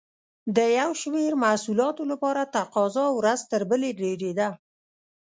د یو شمېر محصولاتو لپاره تقاضا ورځ تر بلې ډېرېده.